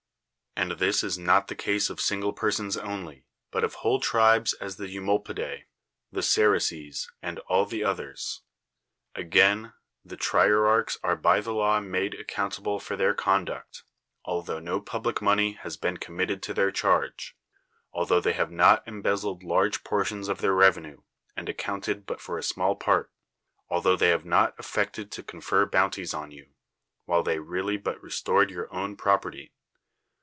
And this is not the case of single persons only, but of whole tribes as the Eumolpidas, the Ceryces, and all the others. Again, the trier archs are by the law made accountable for their conduct, altho no public money has been committed to their charge ; altho they have not embezzled large portions of their revenue, and accounted but for a small part; altho the}' have not affected to confer bounties on you, while they really but restored your own proper ty.